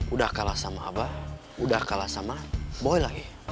udah kalah sama abah udah kalah sama boy lagi